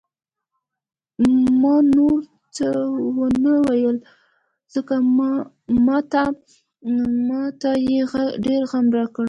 ما نور څه ونه ویل، ځکه ما ته یې ډېر غم راکړ.